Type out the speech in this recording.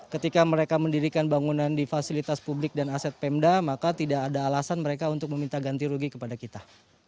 ketika mereka mendirikan bangunan di fasilitas publik dan aset pemda maka tidak ada alasan mereka untuk meminta ganti rugi kepada kita